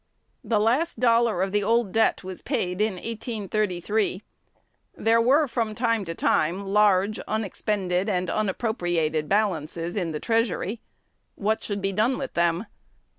The last dollar of the old debt was paid in 1833. There were from time to time large unexpended and unappropriated balances in the treasury. What should be done with them?